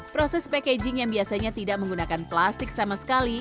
proses packaging yang biasanya tidak menggunakan plastik sama sekali